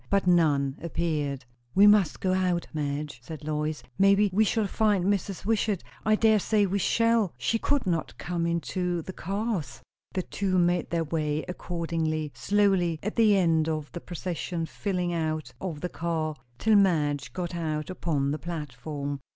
But none appeared. "We must go out, Madge," said Lois. "Maybe we shall find Mrs. Wishart I dare say we shall she could not come into the cars " The two made their way accordingly, slowly, at the end of the procession filing out of the car, till Madge got out upon the platform.